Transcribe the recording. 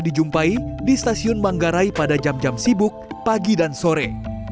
dijumpai di stasiun manggarai pada jam jam sibuk pagi dan sore